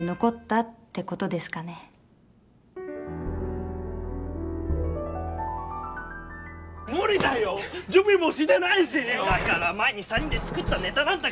だから前に３人で作ったネタなんだからできるだろ？